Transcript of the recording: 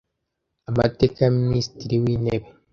Amateka ya Minisitiri w Intebe